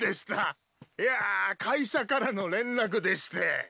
いや会社からの連絡でして。